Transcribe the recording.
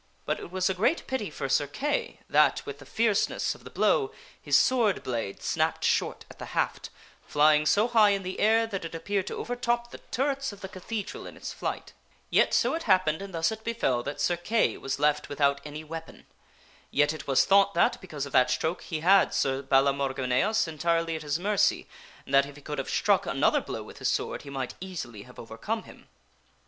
But it was a great pity for Sir Kay that, with the fierceness of the blow, his sword blade snapped short at the haft, flying so high in the air that it appeared to overtop the turrets of the cathedral in its flight. Yet so it happened, and thus it befell that Sir Kay was left sir Kay break without any weapon. Yet it was thought that, because of ethh that stroke, he had Sir Balamorgineas entirely at his mercy, and that if he could have struck another blow with his sword he might easily have over come him.